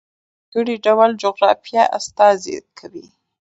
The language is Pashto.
هندوکش د افغانستان د ځانګړي ډول جغرافیه استازیتوب کوي.